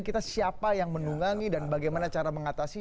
kita siapa yang mendungangi dan bagaimana cara mengatasi